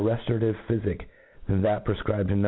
ftorative phyfic than that prefcribed No.